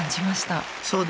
そうですね。